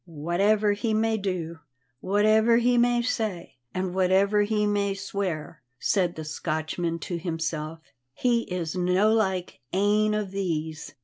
"Whatever he may do, whatever he may say, an' whatever he may swear," said the Scotchman to himself, "he is no' like ane of these.